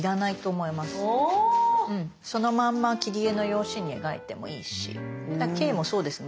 そのまんま切り絵の用紙に描いてもいいし「Ｋ」もそうですね。